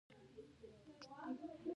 آیا ځوانان په پریکړو کې شریک دي؟